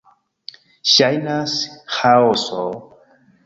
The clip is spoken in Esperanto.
Ŝajnas ĥaoso...